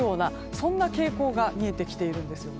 そんな傾向が見えてきているんですよね。